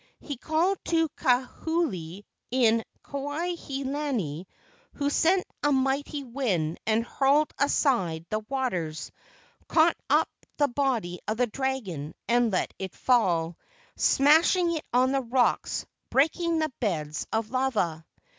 He called to Kahuli in Kuai he lani, who sent a mighty wind and hurled aside the waters, caught up the body of the dragon and let it fall, smashing it on the rocks, breaking the beds of lava.